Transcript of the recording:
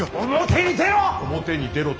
表に出ろ！